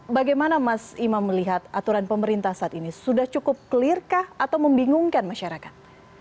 bagaimana mas imam melihat aturan pemerintah saat ini sudah cukup clear kah atau membingungkan masyarakat